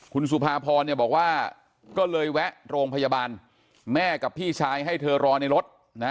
คุณสุภาพรเนี่ยบอกว่าก็เลยแวะโรงพยาบาลแม่กับพี่ชายให้เธอรอในรถนะ